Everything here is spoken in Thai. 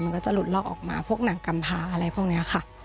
มันก็จะหลุดลอกออกมาพวกหนังกำพาอะไรพวกนี้ค่ะ